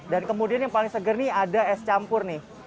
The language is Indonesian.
dan kemudian yang paling seger nih ada es campur nih